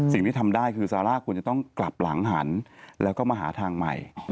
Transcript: สิ่งที่ทำได้คือซาร่าควรจะต้องกลับหลังหันแล้วก็มาหาทางใหม่